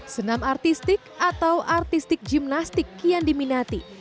senam artistik atau artistik gimnastik kian diminati